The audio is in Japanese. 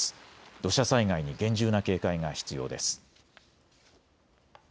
土砂災害に厳重な警戒が必要です。